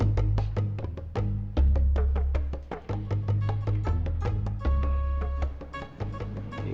nah sekarang mereknya